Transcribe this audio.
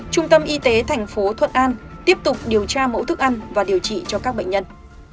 trung tâm y tế thành phố thuận an tiếp tục điều tra mẫu thức ăn và điều trị cho các bệnh nhân